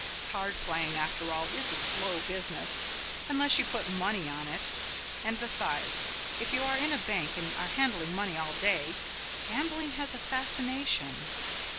Card playing, after all, is a slow business, unless you put money on it, and, besides, if you are in a bank and are handling money all day, gambling has a fascination.